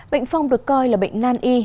bệnh phong được coi là bệnh nan y